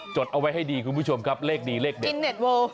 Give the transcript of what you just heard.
จดเอาไว้ให้ดีคุณผู้ชมครับเลขดีเลขเด็ด